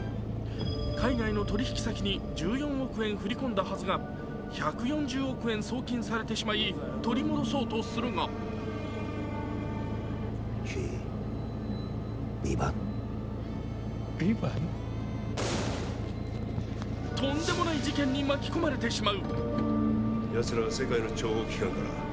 海外の取引先に１４億円振り込んだはずが１４０億円送金されてしまい取り戻そうとするがとんでもない事件に巻き込まれてしまう。